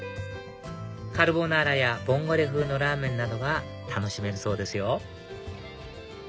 カルボナーラやボンゴレ風のラーメンなどが楽しめるそうですよ